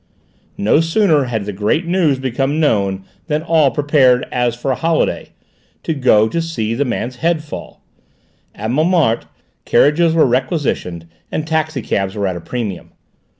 No sooner had the great news become known than all prepared, as for a holiday, to go to see the man's head fall. At Montmartre carriages were requisitioned and taxi cabs were at a premium.